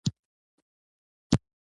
سبا مازدیګر د حرکت له پاره چمتو شئ.